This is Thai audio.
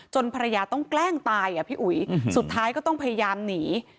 จนภรรยาต้องแกล้งตายสุดท้ายก็ต้องพยายามหนี